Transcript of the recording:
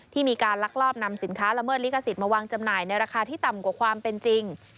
มีการลักลอบนำสินค้าละเมิดลิขสิทธิ์มาวางจำหน่ายในราคาที่ต่ำกว่าความเป็นจริง